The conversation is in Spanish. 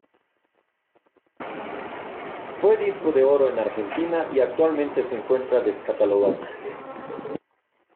Fue disco de oro en Argentina y actualmente se encuentra descatalogado.